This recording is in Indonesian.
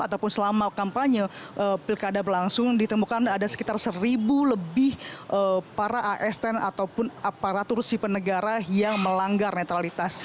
ataupun selama kampanye pilkada berlangsung ditemukan ada sekitar seribu lebih para asn ataupun aparatur sipil negara yang melanggar netralitas